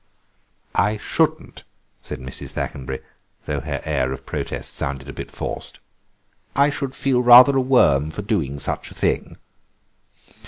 "I shouldn't," said Mrs. Thackenbury, though her air of protest sounded a bit forced; "I should feel rather a worm for doing such a thing."